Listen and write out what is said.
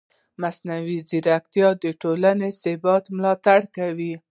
مصنوعي ځیرکتیا د ټولنیز ثبات ملاتړ کوي.